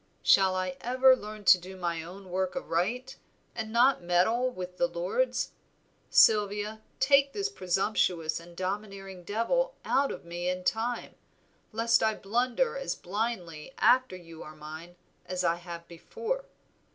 Shall I ever learn to do my own work aright, and not meddle with the Lord's? Sylvia, take this presumptuous and domineering devil out of me in time, lest I blunder as blindly after you are mine as I have before.